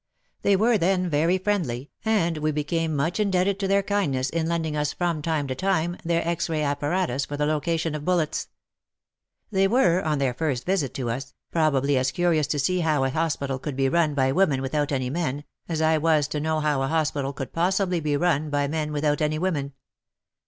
They were then very friendly, and we became much indebted to their kindness in lending us from time to time their X ray apparatus for the location of bullets. They were, on their first visit to us, probably as curious to see how a hospital could be run by women without any men, as I was to know how a hospital could possibly be run by men without any women.